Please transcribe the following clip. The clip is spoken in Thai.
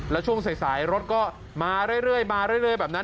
แล้วช่วงสายรถก็มาเรื่อยแบบนั้น